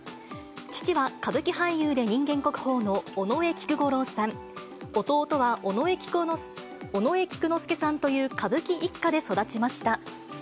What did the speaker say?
父は歌舞伎俳優で人間国宝の尾上菊五郎さん、弟は尾上菊之助さんという歌舞伎一家で育ちました。